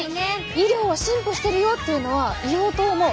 医療は進歩してるよっていうのは言おうと思う！